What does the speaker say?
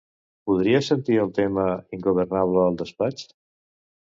Podria sentir el tema "Ingobernable" al despatx?